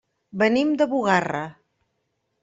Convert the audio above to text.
Venim de Bugarra.